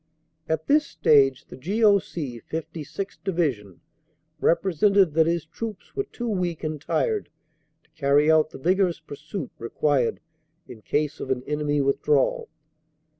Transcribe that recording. At this stage the G.O.C. 56th. Divi sion represented that his troops were too weak and tired to carry out the vigorous pursuit required in case of an enemy withdrawal.